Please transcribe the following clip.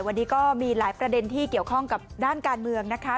วันนี้ก็มีหลายประเด็นที่เกี่ยวข้องกับด้านการเมืองนะคะ